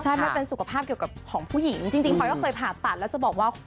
ใช่มันเป็นสุขภาพเกี่ยวกับของผู้หญิงจริงพลอยก็เคยผ่าตัดแล้วจะบอกว่า